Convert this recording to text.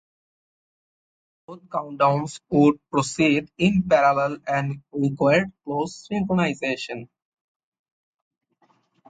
Both countdowns would proceed in parallel and required close synchronization.